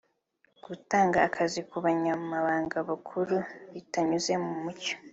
gutanga akazi ku bunyamabanga bukuru bitanyuze mu mucyo